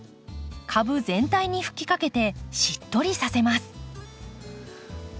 株全体に吹きかけてしっとりさせます。